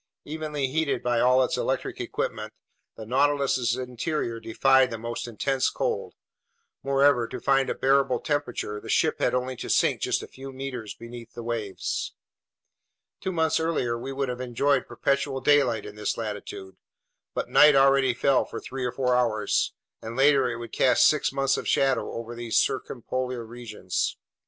Evenly heated by all its electric equipment, the Nautilus's interior defied the most intense cold. Moreover, to find a bearable temperature, the ship had only to sink just a few meters beneath the waves. Two months earlier we would have enjoyed perpetual daylight in this latitude; but night already fell for three or four hours, and later it would cast six months of shadow over these circumpolar regions.